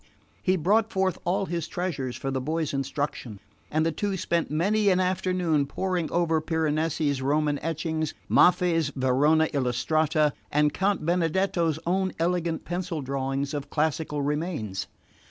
He brought forth all his treasures for the boy's instruction and the two spent many an afternoon poring over Piranesi's Roman etchings, Maffei's Verona Illustrata, and Count Benedetto's own elegant pencil drawings of classical remains.